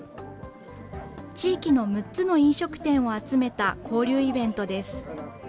地域の６つの飲食店を集めた交流イベントです。